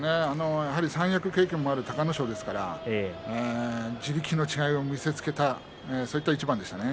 三役経験のある隆の勝ですから地力の違いを見せつけたそういった一番でしたね。